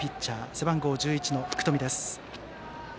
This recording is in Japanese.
背番号１１の福冨です。